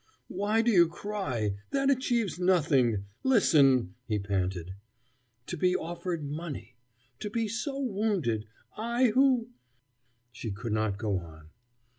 "Why do you cry? that achieves nothing listen " he panted. "To be offered money to be so wounded I who " She could not go on.